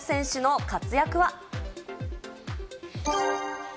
日本選手の活躍は？